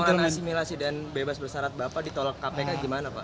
mas anas perawanan asimilasi dan bebas bersarat bapak ditolak kpk gimana pak